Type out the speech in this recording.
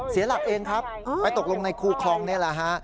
เสียหลักเองครับไปตกลงในคูคลองนี่แหละฮะ